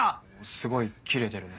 すごいキレてるね。